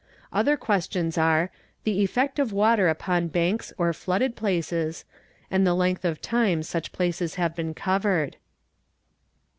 Other questions are, the effect of water upon banks or flooded places, and the length of time such places have been covered.